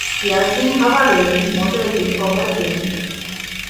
Я з ім гаварыў, можа, якіх паўгадзіны.